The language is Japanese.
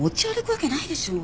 わけないでしょ。